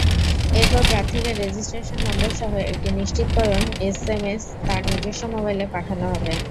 এরপর প্রার্থীকে রেজিস্ট্রেশন নম্বরসহ একটি নিশ্চিতকরণ এসএমএস তাঁর নিজস্ব মোবাইলে পাঠানো হবে।